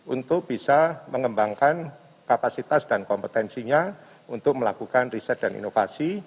untuk bisa mengembangkan kapasitas dan kompetensinya untuk melakukan riset dan inovasi